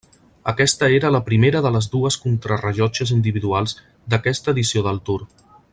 Aquesta era la primera de les dues contrarellotges individuals d'aquesta edició del Tour.